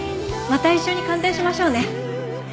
また一緒に鑑定しましょうね。